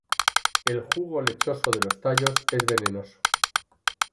El jugo lechoso de los tallos es venenoso.